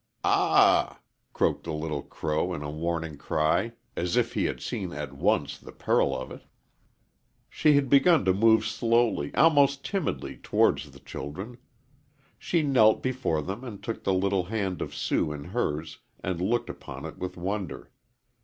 "Ah h h h h!" croaked the little crow, in a warning cry, as if he had seen at once the peril of it. She had begun to move slowly, almost timidly, towards the children. She knelt before them and took the little hand of Sue in hers and looked upon it with wonder.